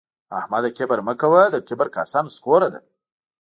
احمده کبر مه کوه؛ د کبر کاسه نسکوره ده